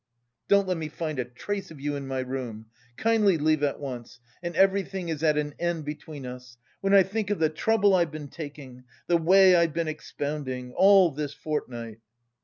"Don't let me find a trace of you in my room! Kindly leave at once, and everything is at an end between us! When I think of the trouble I've been taking, the way I've been expounding... all this fortnight!"